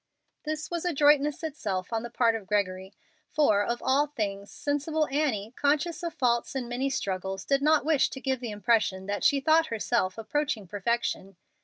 This was adroitness itself on the part of Gregory, for, of all things, sensible Annie, conscious of faults and many struggles, did not wish to give the impression that she thought herself approaching perfection.